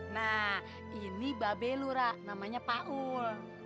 nah ini babel lo rak namanya paul